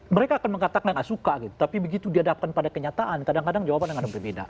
mereka akan mengatakan tidak suka gitu tapi begitu dihadapkan pada kenyataan kadang kadang jawaban yang akan berbeda